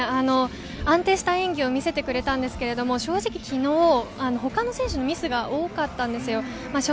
安定した演技を見せてくれたんですけれど正直昨日の他の選手のミスが多かったんです。